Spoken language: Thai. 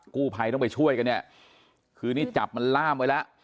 กู้ภัยต้องไปช่วยกันเนี่ยคือนี่จับมันล่ามไว้แล้ว